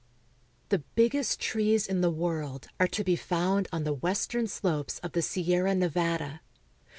The biggest trees in the world are to be found on the western slopes of the Sierra Nevada.